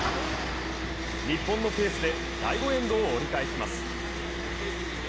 日本のペースで第５エンドを折り返します。